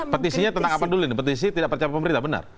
petisinya tentang apa dulu ini petisi tidak percaya pemerintah benar